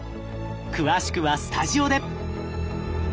詳しくはスタジオで！